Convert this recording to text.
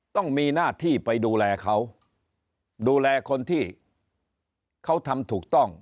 ต้องมีหน้าที่ไปดูแลเขาดูแลคนที่เขาทำถูกต้อง